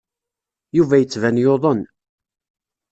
Yuba yettban yuḍen.